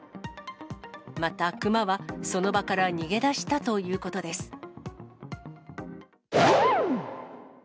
また、熊はその場から逃げ出したということです。